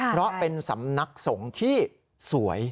เพราะเป็นสำนักสงฆ์ที่สวย